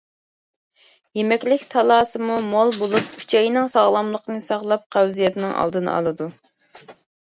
يېمەكلىك تالاسىمۇ مول بولۇپ، ئۈچەينىڭ ساغلاملىقىنى ساقلاپ، قەۋزىيەتنىڭ ئالدىنى ئالىدۇ.